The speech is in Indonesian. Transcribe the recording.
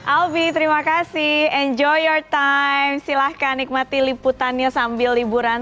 albi terima kasih enjoyer time silahkan nikmati liputannya sambil liburan